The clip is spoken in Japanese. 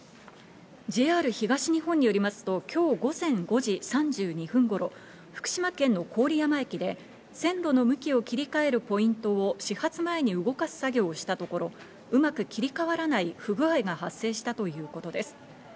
ＪＲ東日本によりますと、今日午前５時３２分頃、福島県の郡山駅で線路の向きを切り替えるポイントを始発前に動かす作業をしたところ、うまく切り替わらない不具合が発生したということです。